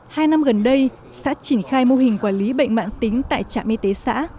hai năm gần đây xã triển khai mô hình quản lý bệnh mạng tính tại trạm y tế xã